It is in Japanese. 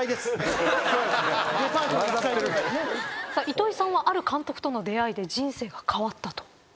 糸井さんはある監督との出会いで人生が変わったと。